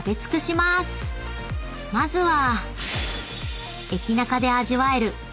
［まずは］